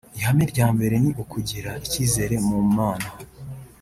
Ihame rya mbere ni Ukugira Icyizere mu Mana